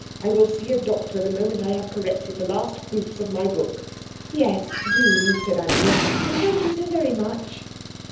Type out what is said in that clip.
I will see a doctor the moment I have corrected the last proofs of my book." "Yes, do!" said Anthea, "and thank you so very much."